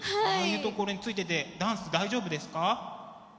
ああいうところについててダンス大丈夫ですか？